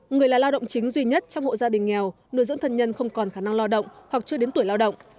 người là lao động chính duy nhất trong hộ gia đình nghèo nuôi dưỡng thân nhân không còn khả năng lao động hoặc chưa đến tuổi lao động